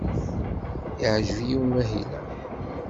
Yeɛjeb-iyi umahil-a.